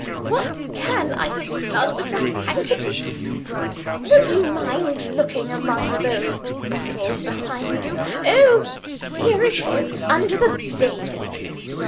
What can I have done with my handkerchief? Would you mind looking among those bottles behind you? Oh, here it is, under the baby.